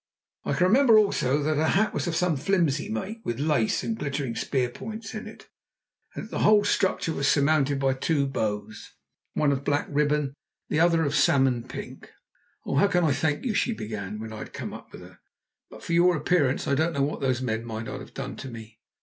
I can remember also that her hat was of some flimsy make, with lace and glittering spear points in it, and that the whole structure was surmounted by two bows, one of black ribbon, the other of salmon pink. "Oh, how can I thank you?" she began, when I had come up with her. "But for your appearance I don't know what those men might not have done to me."